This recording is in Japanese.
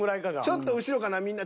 ちょっと後ろかなみんな。